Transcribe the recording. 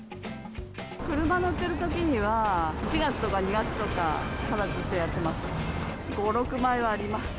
車乗ってるときには、１月とか２月とかからずっとやってます。